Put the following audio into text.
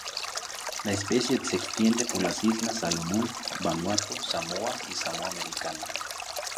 La especie se extiende por las islas Salomón, Vanuatu, Samoa y Samoa Americana.